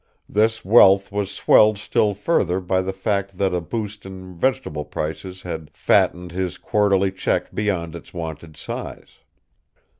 This wealth was swelled still further by the fact that a boost in vegetable prices had fattened his quarterly check beyond its wonted size.